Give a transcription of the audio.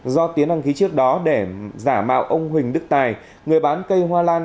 do tiến đăng ký trước đó để giả mạo ông huỳnh đức tài người bán cây hoa lan